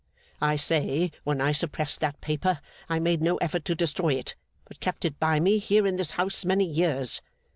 I say, when I suppressed that paper, I made no effort to destroy it, but kept it by me, here in this house, many years.